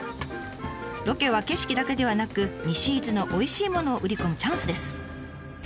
ロケは景色だけではなく西伊豆のおいしいものを売り込むチャンスです。